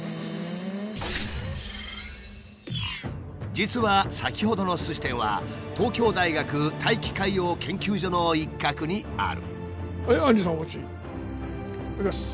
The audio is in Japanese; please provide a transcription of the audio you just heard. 実は先ほどのすし店は東京大学大気海洋研究所の一角にある。